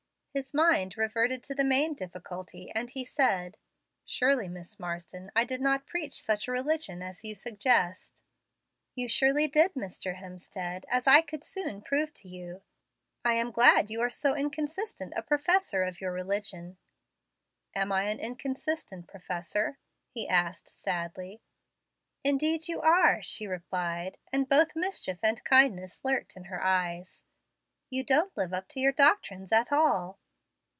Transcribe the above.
His mind reverted to the main difficulty, and he said, "Surely, Miss Marsden, I did not preach such a religion as you suggest." "You surely did, Mr. Hemstead, as I could soon prove to you. I am glad you are so inconsistent a professor of your religion." "Am I an inconsistent professor?" he asked sadly. "Indeed you are," she replied; and both mischief and kindness lurked in her eyes. "You don't live up to your doctrines at all."